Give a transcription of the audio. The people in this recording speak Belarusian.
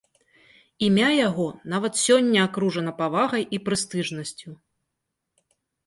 Імя яго нават сёння акружана павагай і прэстыжнасцю.